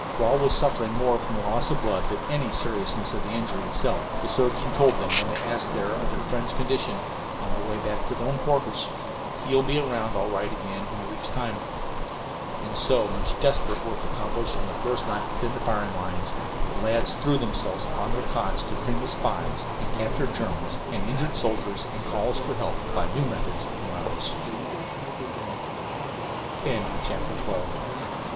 "Rawle was suffering more from loss of blood than from any seriousness of the injury itself," the surgeon told them when they asked there of their friend's condition, on their way to their own quarters. "He will be around all right again in a week's time." And so, much desperate work accomplished on their first night within the firing lines, the lads threw themselves upon their cots to dream of spies and captured Germans and injured soldiers and calls f